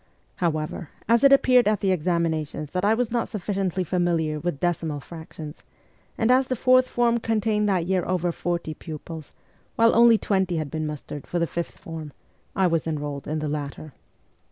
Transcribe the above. However, as it appeared at the examinations that I was not sufficiently familiar with decimal fractions, and as the fourth form contained that year over forty pupils, while only twenty had been mustered for the fifth form, I was enrolled in the latter.